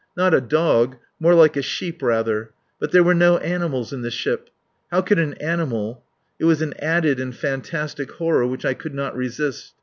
Not a dog more like a sheep, rather. But there were no animals in the ship. How could an animal. ... It was an added and fantastic horror which I could not resist.